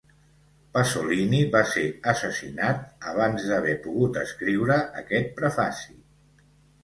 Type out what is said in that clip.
Pasolini va ser assassinat abans d'haver pogut escriure aquest prefaci.